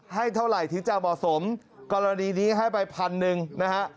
ให้เท่าไหร่ที่จะเหมาะสมกรณีนี้ให้ไป๑๐๐๐นะฮะ